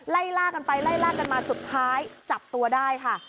ไล่ล่ากันไปไล่ล่ากันมาสุดท้ายจับตัวได้ค่ะ